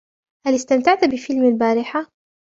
هل إستمتعت بفيلم البارحة؟